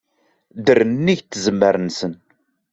Ddren nnig tzemmar-nsen.